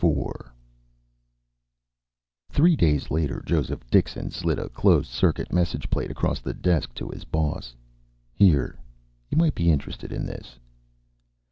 IV Three days later Joseph Dixon slid a closed circuit message plate across the desk to his boss. "Here. You might be interested in this."